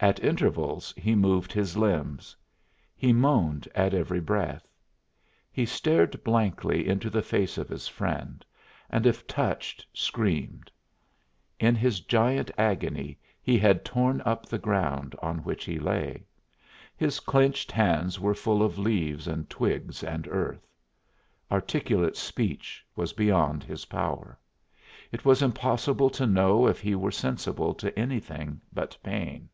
At intervals he moved his limbs; he moaned at every breath. He stared blankly into the face of his friend and if touched screamed. In his giant agony he had torn up the ground on which he lay; his clenched hands were full of leaves and twigs and earth. Articulate speech was beyond his power; it was impossible to know if he were sensible to anything but pain.